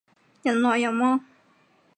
人來人往